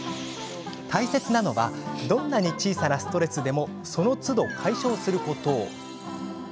大切なのはどんなに小さなストレスでもそのつど解消すること。